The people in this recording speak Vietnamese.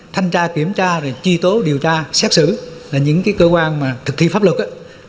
thanh tra kiểm tra tri tố điều tra xét xử là những cái cơ quan mà thực thi pháp lực